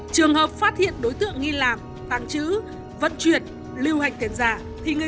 trường hợp phát hiện đối tượng nghi lạc tăng trữ vận chuyển lưu hành tiền giả thì người dân nên báo cho cơ quan công an để phối hợp xử lý